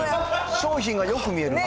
商品がよく見えるなあ。